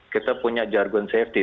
kita punya jargon safety